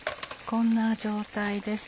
こんな状態です。